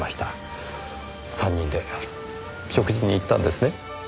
３人で食事に行ったんですね？